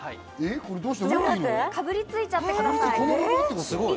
かぶりついちゃってください。